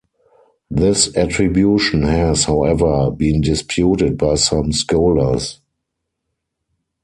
This attribution has, however, been disputed by some scholars.